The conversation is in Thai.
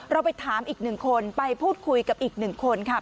เราไปถามอีกหนึ่งคนไปพูดคุยกับอีกหนึ่งคนค่ะ